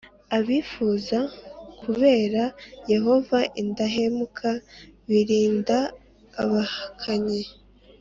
Abifuza kubera Yehova indahemuka birinda abahakanyi